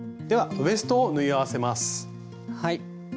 ではウエストを縫い合わせます。